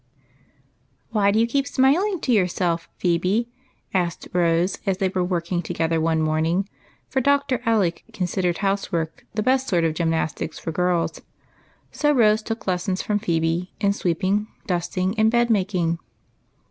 WHY do you keep smiling to yourself, Phebe?" asked Rose, as they were working together one morning, for Dr. Alec considered house work the best sort of gymnastics for girls ; so Rose took lessons of Phebe in sweeping, dusting, and bed making.